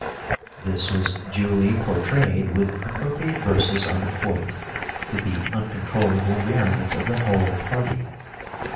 This was duly portrayed with appropriate verses on the quoit, to the uncontrollable merriment of the whole party.